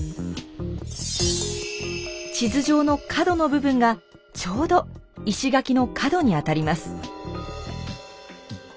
地図上の角の部分がちょうど石垣の角にあたります。